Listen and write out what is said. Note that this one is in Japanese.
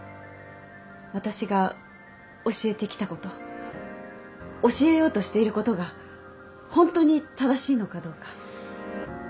私が教えてきたこと教えようとしていることがホントに正しいのかどうか。